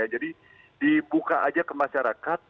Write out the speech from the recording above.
jadi dibuka aja ke masyarakat